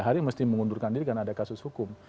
tiga hari mesti mengundurkan diri karena ada kasus hukum